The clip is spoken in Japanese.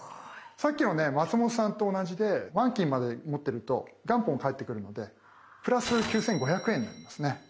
さっきの松本さんと同じで満期まで持ってると元本返ってくるので＋９，５００円になりますね。